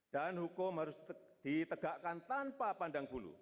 dan hukum harus ditegakkan tanpa pandang bulu